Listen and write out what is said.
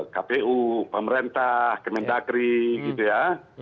kpu pemerintah kemendagri gitu ya